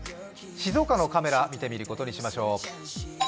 静岡のカメラ、見てみることにしましょう。